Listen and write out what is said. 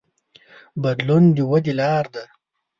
بدلون د ودې لار ده.